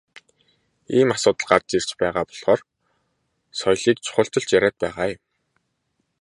Ийм асуудал гарч ирж байгаа болохоор соёлыг чухалчилж яриад байгаа юм.